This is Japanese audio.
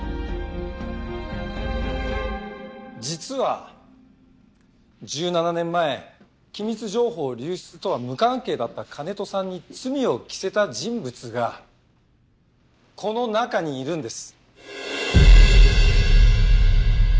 実は１７年前機密情報流出とは無関係だった金戸さんに罪を着せた人物がこの中にいるんです。